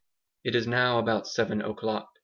It is now about seven o'clock.